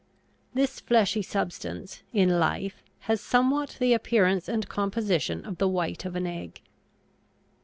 This fleshy substance, in life, has somewhat the appearance and composition of the white of an egg.